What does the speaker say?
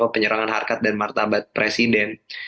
penyerangan harkat dan martabat presiden